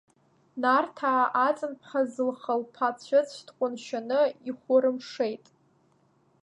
Нарҭаа Аҵан ԥҳа Зылха лԥа Цәыцә дҟәыншьаны ихәы рымшеит.